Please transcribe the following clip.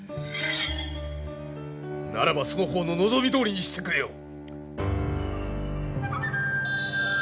ならばその方の望みどおりにしてくれよう。